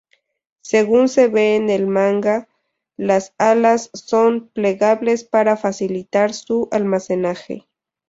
Según se ve en el manga, las alas son plegables para facilitar su almacenaje.